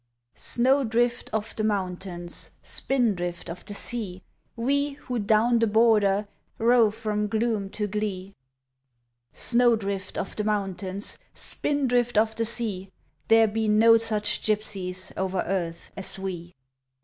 Snowdrift of the mountains, Spindrift of the sea, We who down the border Rove from gloom to glee, Snowdrift of the mountains, Spindrift of the sea, There be no such gypsies Over earth as we.